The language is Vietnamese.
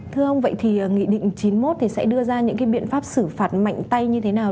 thưa ông vậy thì nghị định chín mươi một thì sẽ đưa ra những cái biện pháp xử phạt mạnh tay như thế nào